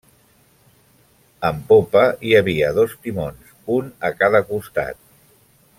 En popa hi havia dos timons, un a cada costat.